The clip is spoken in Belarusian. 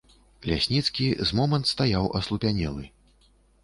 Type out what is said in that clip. Лясніцкі з момант стаяў аслупянелы.